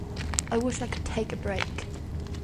I wish I could take a break.